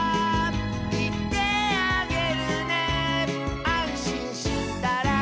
「いってあげるね」「あんしんしたら」